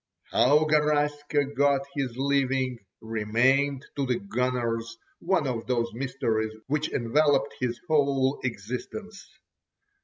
How Garaska got his living, remained to the "gunners" one of those mysteries which enveloped his whole existence.